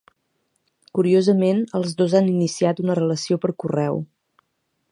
Curiosament, els dos han iniciat una relació per correu.